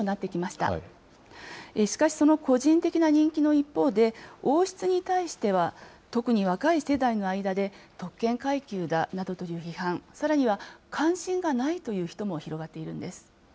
しかしその個人的な人気の一方で、王室に対しては、特に若い世代の間で特権階級だなどという批判、さらには関心がないという人も広がっているんです。